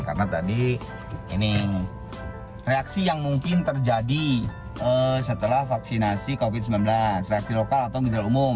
karena tadi ini reaksi yang mungkin terjadi setelah vaksinasi covid sembilan belas